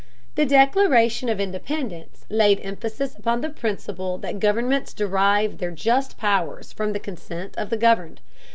The Declaration of Independence laid emphasis upon the principle that governments derive their just powers from the consent of the governed.